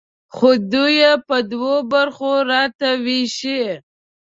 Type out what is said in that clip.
خو دوی یې په دوو برخو راته ویشي.